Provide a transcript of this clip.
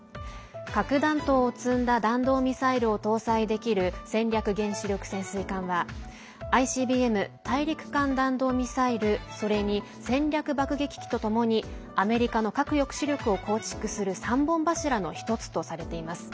核弾頭を積んだ弾道ミサイルを搭載できる戦略原子力潜水艦はＩＣＢＭ＝大陸間弾道ミサイルそれに戦略爆撃機とともにアメリカの核抑止力を構築する３本柱の１つとされています。